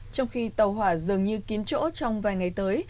trong khi tàu hỏa dường như kín chỗ trong vài ngày tới